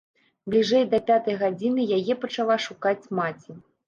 Бліжэй да пятай гадзіны яе пачала шукаць маці.